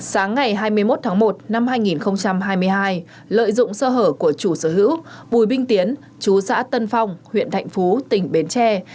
sáng ngày hai mươi một tháng một năm hai nghìn hai mươi hai lợi dụng sơ hở của chủ sở hữu bùi binh tiến chú xã tân phong huyện thạnh phú tỉnh bến tre